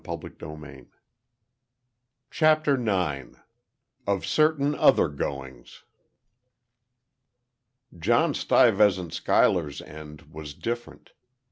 CHAPTER NINE. OF CERTAIN OTHER GOINGS. John Stuyvesant Schuyler's end was different.